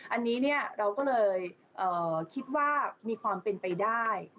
อันนี้เราก็เลยคิดว่ามีความเป็นไปได้